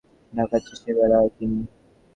তখন পরিবারের সবাই মিলে পুরো ঢাকা চষে বেড়াই।